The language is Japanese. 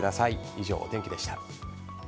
以上、お天気でした。